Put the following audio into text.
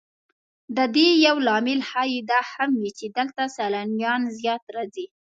د دې یو لامل ښایي دا هم وي چې دلته سیلانیان زیات راځي.